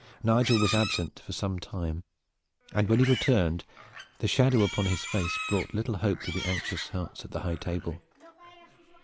Nigel was absent for some time, and when he returned the shadow upon his face brought little hope to the anxious hearts at the high table.